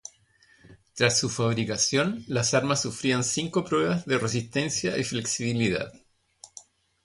Tras su fabricación las armas sufrían cinco pruebas de resistencia y flexibilidad.